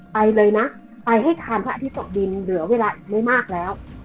ไปเลยนะไปให้ทานพระอาทิตย์ตกดินเหลือเวลาอีกไม่มากแล้ว